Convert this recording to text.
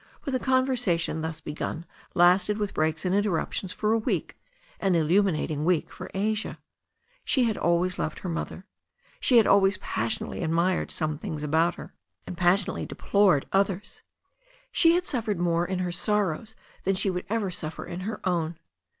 But the conversation thus begun lasted with breaks and interruptions for a week, an illuminating week for Asia. She had always loved her mother. She had always passionately admired some things about her, and passion ately deplored others. She had suffered more in her sor rows than she would ever suffer in her own.